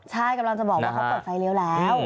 ใช่กำลังจะบอกว่าเขาเปิดไฟเลี้ยวแล้ว